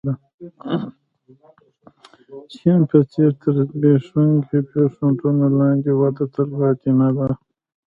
چین په څېر تر زبېښونکو بنسټونو لاندې وده تلپاتې نه ده.